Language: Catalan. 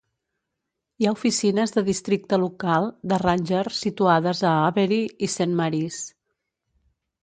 Hi ha oficines de districte local de ranger situades a Avery i Saint Maries.